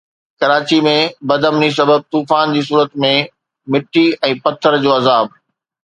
ڪراچي ۾ بدامني سبب طوفان جي صورت ۾ مٽي ۽ پٿر جو عذاب